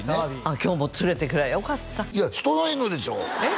今日も連れてくりゃよかったいやひとの犬でしょ？